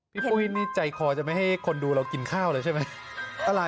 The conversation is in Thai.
ปุ้ยนี่ใจคอจะไม่ให้คนดูเรากินข้าวเลยใช่ไหม